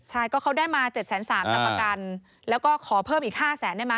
ใช่ก็เขาได้มา๗๓๐๐จะประกันแล้วก็ขอเพิ่มอีก๕แสนได้ไหม